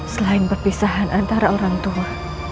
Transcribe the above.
selain perpisahan antara orang tua